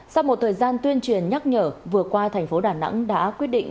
sau một thời gian tuyên truyền nhắc nhở vừa qua thành phố đà nẵng đã quyết định